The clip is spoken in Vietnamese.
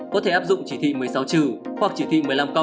có thể áp dụng chỉ thị một mươi sáu trừ hoặc chỉ thị một mươi năm